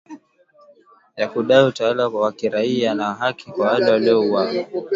ya kudai utawala wa kiraia na haki kwa wale waliouawa